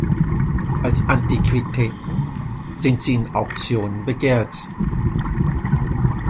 Als Antiquitäten sind sie in Auktionen begehrt.